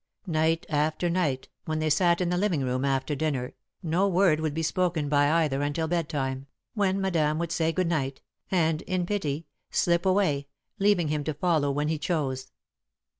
Night after night, when they sat in the living room after dinner, no word would be spoken by either until bedtime, when Madame would say "Good night," and, in pity, slip away, leaving him to follow when he chose.